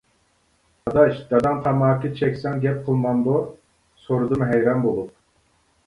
-ئاداش داداڭ تاماكا چەكسەڭ گەپ قىلمامدۇ؟ سورىدىم ھەيران بولۇپ.